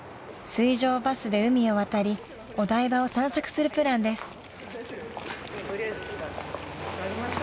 ［水上バスで海を渡りお台場を散策するプランです］